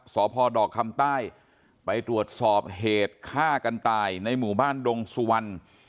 สพดอกคำใต้ไปตรวจสอบเหตุฆ่ากันตายในหมู่บ้านดงสุวรรณ